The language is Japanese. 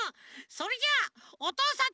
それじゃあ「おとうさんといっしょ」